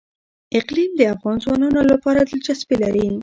اقلیم د افغان ځوانانو لپاره دلچسپي لري.